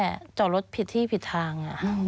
มันจอดอย่างง่ายอย่างง่าย